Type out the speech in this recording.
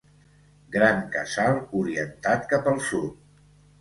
Gran casal orientat cap al sud.